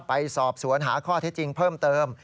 ไปสอบสวนหาข้อเท็จจริงเพิ่มเติม